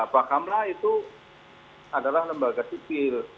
fakamla itu adalah lembaga sifil